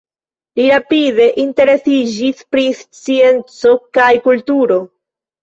Li rapide interesiĝis pri scienco kaj kulturo.